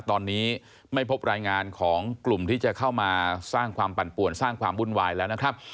ตอนนี้ไม่พบรายงานของกลุ่มที่จะเข้ามาสร้างความปั่นป่วนสร้างความวุ่นวายแล้วนะครับ